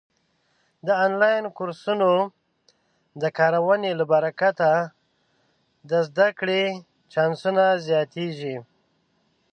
د آنلاین کورسونو د کارونې له برکته د زده کړې چانسونه زیاتېږي.